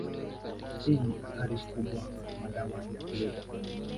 Hii ni athari kubwa ya madawa ya kulevya.